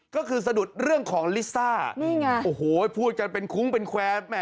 ก็คือสะดุดเรื่องของลิซ่าพูดจนเป็นคุ้งเป็นแควร์